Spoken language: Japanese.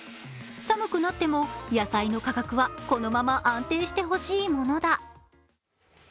寒くなっても野菜の価格はこのまま安定してほしいものだ。